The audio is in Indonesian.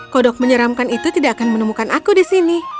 kodok menyeramkan itu tidak akan menemukan aku di sini